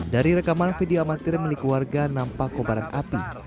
dari rekaman video amatir milik warga nampak kobaran api